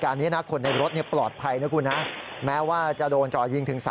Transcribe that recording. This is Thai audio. อันนี้นะคนในรถปลอดภัยนะคุณนะแม้ว่าจะโดนจ่อยิงถึง